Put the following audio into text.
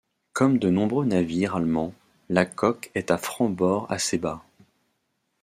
Comme de nombreux navires allemands, la coque est à franc-bord assez bas.